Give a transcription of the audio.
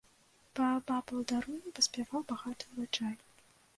Паабапал дарогі паспяваў багаты ўраджай.